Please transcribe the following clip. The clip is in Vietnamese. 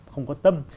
không có tâm